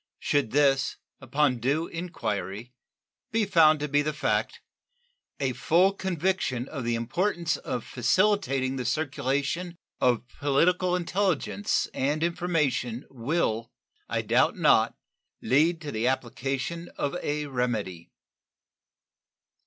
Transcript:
Should this, upon due inquiry, be found to be the fact, a full conviction of the importance of facilitating the circulation of political intelligence and information will, I doubt not, lead to the application of a remedy.